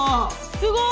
すごい！